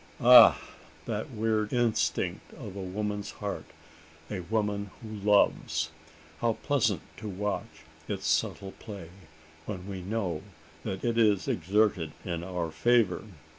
Ah! that weird instinct of a woman's heart a woman who loves! How pleasant to watch its subtle play, when we know that it is exerted in our favour!